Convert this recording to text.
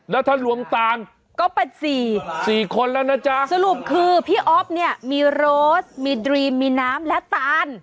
แล้วถ้ารวมตานก็เป็นสี่สี่คนแล้วนะจ๊ะสรุปคือพี่อ๊อฟเนี่ยมีโรสมีดรีมมีน้ำและตาน